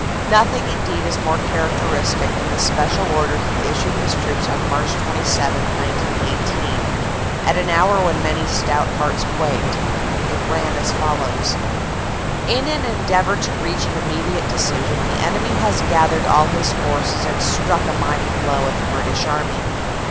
Nothing, indeed, is more characteristic than the special order he issued his troops on March 27, 1918, at an hour when many stout hearts quaked. It ran as follows : In an endeavor to reach an immediate decision the enemy .1 296 CANADA S HUNDRED DAYS has gathered all his forces and struck a mighty blow at the British Army.